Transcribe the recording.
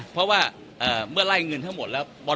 เพราะว่าเมื่อไล่เงินทั้งหมดแล้ว